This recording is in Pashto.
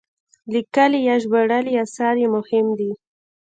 لیکلي یا ژباړلي اثار یې مهم دي.